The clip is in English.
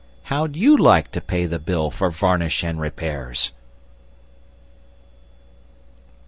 How'd you like to pay the bill for varnish and repairs?